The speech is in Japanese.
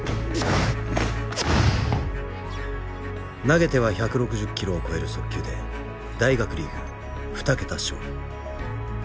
投げては１６０キロを超える速球で大学リーグ２桁勝利。